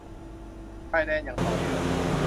ชายแดนอย่างต่อเนื่อง